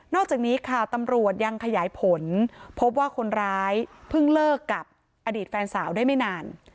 อกจากนี้ค่ะตำรวจยังขยายผลพบว่าคนร้ายเพิ่งเลิกกับอดีตแฟนสาวได้ไม่นาน